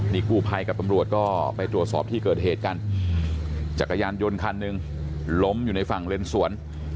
นี่กู้ภัยกับตำรวจก็ไปตรวจสอบที่เกิดเหตุกันจักรยานยนต์คันหนึ่งล้มอยู่ในฝั่งเลนสวน